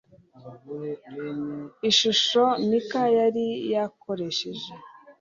ishusho mika yari yarakoresheje